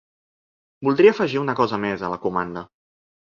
Voldria afegir una cosa mes a la comanda.